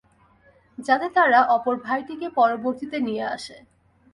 যাতে তারা অপর ভাইটিকে পরবর্তীতে নিয়ে আসে।